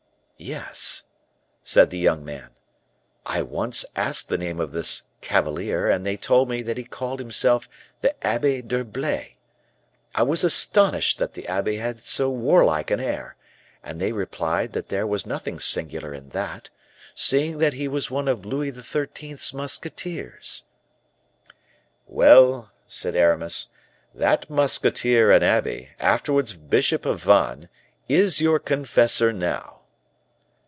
"Yes," said the young man; "I once asked the name of this cavalier, and they told me that he called himself the Abbe d'Herblay. I was astonished that the abbe had so warlike an air, and they replied that there was nothing singular in that, seeing that he was one of Louis XIII.'s musketeers." "Well," said Aramis, "that musketeer and abbe, afterwards bishop of Vannes, is your confessor now."